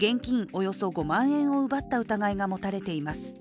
およそ５万円を奪った疑いが持たれています。